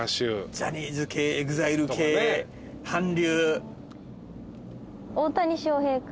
ジャニーズ系ＥＸＩＬＥ系韓流。